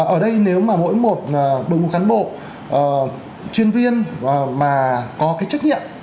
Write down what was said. ở đây nếu mà mỗi một đội ngũ cán bộ chuyên viên mà có cái trách nhiệm